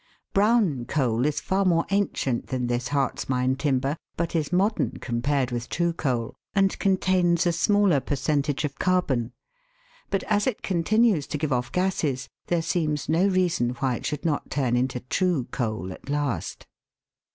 Brown coal is far more ancient than this Hartz mine timber, but is modern compared with COAL GAS. 189 true coal, and contains a smaller percentage of carbon, but as it continues to give off gases, there seems no reason why it should not turn into true coal at last.